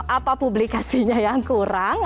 apa publikasinya yang kurang